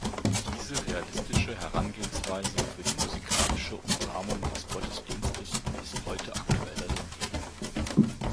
Diese realistische Herangehensweise für die musikalische Umrahmung des Gottesdienstes ist heute aktueller denn je.